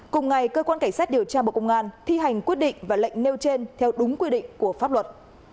cùng ngày cơ quan cảnh sát điều tra bộ công an thi hành quyết định và lệnh nêu trên theo đúng quy định của pháp luật